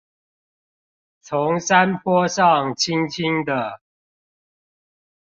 從山坡上輕輕地